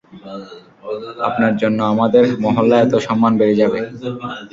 আপনার জন্য আমাদের মহল্লায় এতো সম্মান বেড়ে যাবে।